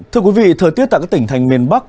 thưa quý vị thời tiết tại các tỉnh thành miền bắc